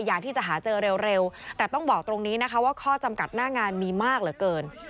อยากที่จะหาเจอเร็วแต่ต้องบอกตรงนี้นะคะว่าข้อจำกัดหน้างานมีมากเหลือเกิน